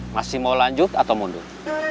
masih mau lanjut atau mundur